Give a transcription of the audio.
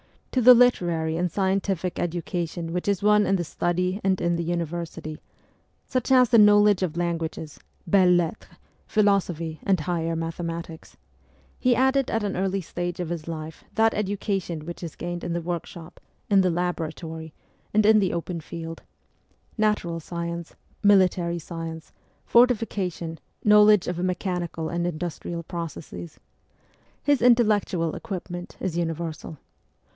To the Literary and scientific education which is won in the study and in the university (such as the knowledge of languages, belles lettres, philosophy, and higher mathematics), he added at an early stage of his life that education which is gained in the workshop, in the laboratory, and in the open field natural science, military science, fortifica tion, knowledge of mechanical and industrial processes. His intellectual equipment is universal.